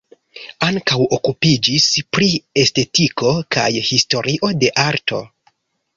Ankaŭ okupiĝis pri estetiko kaj historio de arto.